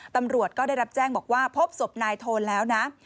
ตำรวจก็ได้รับแจ้งบอกว่าพบศพนายโทนแล้วนะ